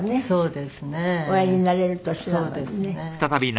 そうですか。